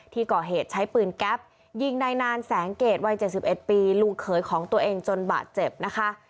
ที่ก่อเหตุใช้ปืนแก๊ปยิงนายนานแสงเกรดวัย๗๑ปีลุงเขยของตัวเองจนบาดเจ็บนะคะ